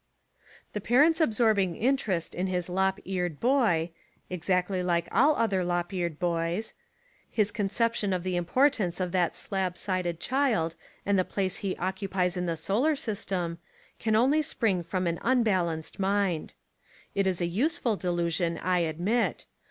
The parent's absorbing interest in his lop eared boy (exactly like all other lop eared boys), his conception of the importance of that slab sided child and the place he occupies in the solar system, can only spring from an unbal anced mind. It is a useful delusion, I admit.